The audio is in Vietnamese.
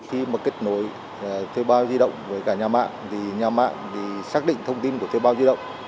khi mà kết nối thuê bao di động với cả nhà mạng thì nhà mạng xác định thông tin của thuê bao di động